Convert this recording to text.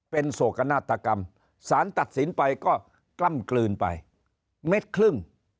เป็นโศกนาฏกรรมสารตัดสินไปก็กล้ำกลืนไปเม็ดครึ่ง